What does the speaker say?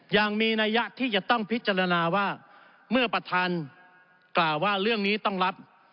ยังมีนัยยะที่จะต้องพิจารณาว่าเมื่อประธานกล่าวว่าเรื่องนี้ต้องรับ